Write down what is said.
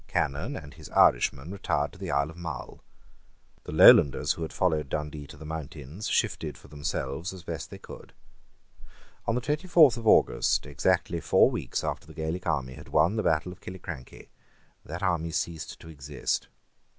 Cannon and his Irishmen retired to the Isle of Mull. The Lowlanders who had followed Dundee to the mountains shifted for themselves as they best could. On the twenty fourth of August, exactly four weeks after the Gaelic army had won the battle of Killiecrankie, that army ceased to exist.